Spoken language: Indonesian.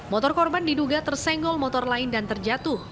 motor korban diduga tersenggol motor lain dan terjatuh